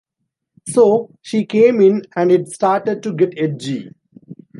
So she came in and it started to get edgy.